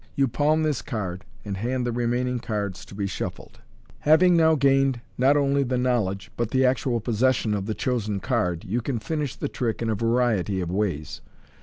You palm this card, and hand the remaining cards to be shuffled. Having now gained not only the knowledge, but the actual possession, of the chosen card, you can finish the trick in a variety of ways.